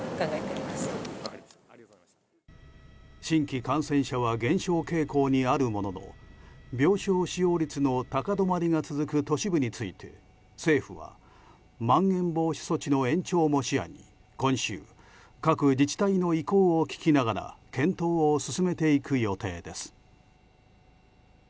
新規感染者は減少傾向にあるものの病床使用率の高止まりが続く都市部について政府はまん延防止措置の延長も視野に今週各自治体の意向を聞きながら検討を進めていく予定です。